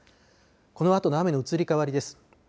このあとの雨の移り変わりです。